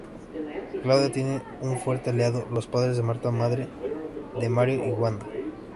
Claudia tiene un fuerte aliado: los padres de Marta, madre de Mario y Wanda.